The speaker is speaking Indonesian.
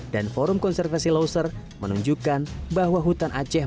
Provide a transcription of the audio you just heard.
dan forum konservasi loser menunjukkan bahwa hutan aceh